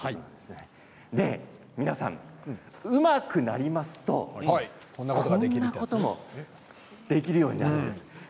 皆さん、うまくなりますとこんなこともできるようになるんです。